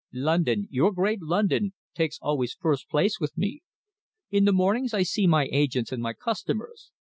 London your great London takes always first place with me. In the mornings I see my agents and my customers.